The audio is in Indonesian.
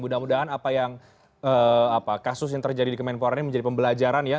mudah mudahan apa yang kasus yang terjadi di kemenpora ini menjadi pembelajaran ya